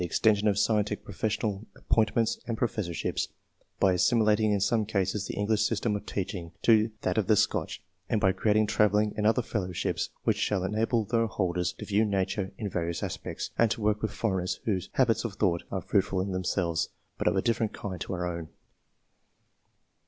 extension of scientific professional appointments and professorships, by assimilating in some cases the English system of teaching to that of the Scotch, and by creating travelling and other fellowships which shall enable their holders to view nature in various aspects, and to work with foreigners whose habits of thought are fruitful in themselves, but of a different kind to our own.